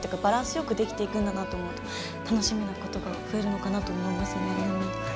バランスよくできていくんだなと思うと楽しみなことが増えるのかなと思いますね。